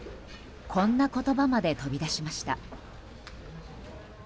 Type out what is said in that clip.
こんな言葉まで飛び出しました。